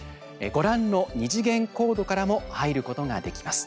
ご覧の２次元コードからも入ることができます。